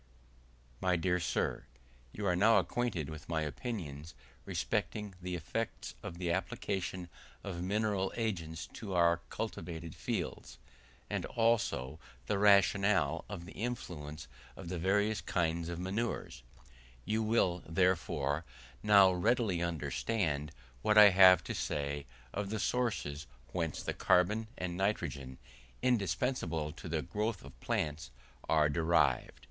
LETTER XV My dear Sir, You are now acquainted with my opinions respecting the effects of the application of mineral agents to our cultivated fields, and also the rationale of the influence of the various kinds of manures; you will, therefore, now readily understand what I have to say of the sources whence the carbon and nitrogen, indispensable to the growth of plants, are derived.